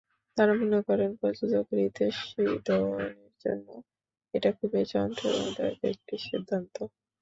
তাঁরা মনে করেন, প্রযোজক রিতেশ সিধওয়ানির জন্য এটা খুবই যন্ত্রণাদায়ক একটি সিদ্ধান্ত।